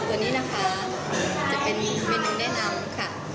ตัวนี้นะคะจะเป็นเมนูแนะนำค่ะ